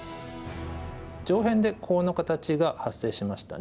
上辺でコウの形が発生しましたね。